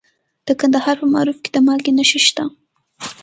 د کندهار په معروف کې د مالګې نښې شته.